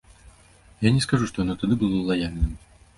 Я не скажу, што яно тады было лаяльным.